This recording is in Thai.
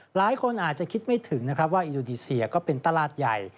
หลายคนอาจจะคิดไม่ถึงนะครับว่าอินโดนีเซียก็เป็นตลาดใหญ่